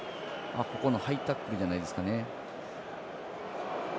ここのハイタックルじゃないですかね。